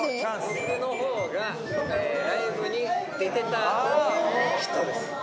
僕の方がライブに出てた方の人です。